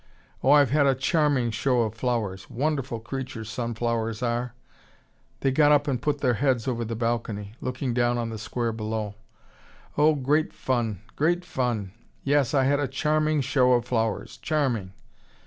Oh, I've had a charming show of flowers. Wonderful creatures sunflowers are." They got up and put their heads over the balcony, looking down on the square below. "Oh, great fun, great fun. Yes, I had a charming show of flowers, charming.